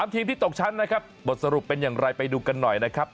ทีมที่ตกชั้นนะครับบทสรุปเป็นอย่างไรไปดูกันหน่อยนะครับ